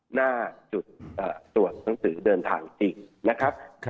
หน้าจุดตรวจหนังสือเดินทางจริงนะครับ